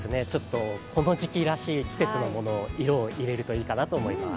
この時期らしい季節の色を入れるといいかなと思います。